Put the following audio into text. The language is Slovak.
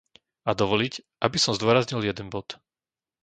A dovoliť, aby som zdôraznil jeden bod.